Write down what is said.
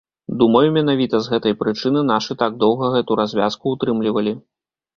Думаю, менавіта з гэтай прычыны нашы так доўга гэту развязку ўтрымлівалі.